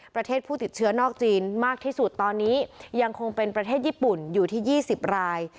ผู้ติดเชื้อนอกจีนมากที่สุดตอนนี้ยังคงเป็นประเทศญี่ปุ่นอยู่ที่๒๐ราย